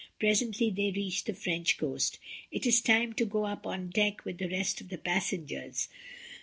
Presently they reached the French coast, it is time to go up on deck with the rest of the passengers.